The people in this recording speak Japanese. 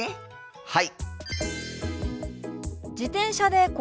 はい！